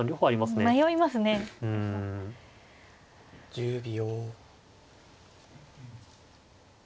１０秒。